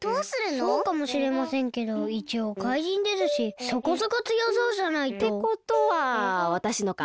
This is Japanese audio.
そうかもしれませんけどいちおうかいじんですしそこそこつよそうじゃないと。ってことはわたしのか。